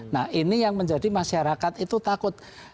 nah ini yang menjadi masyarakat itu takut